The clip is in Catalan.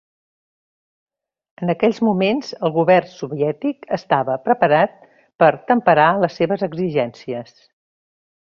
En aquells moments, el govern soviètic estava preparat per temperar les seves exigències.